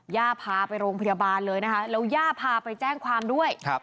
พาไปโรงพยาบาลเลยนะคะแล้วย่าพาไปแจ้งความด้วย